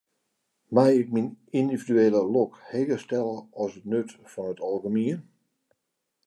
Mei ik myn yndividuele lok heger stelle as it nut fan it algemien?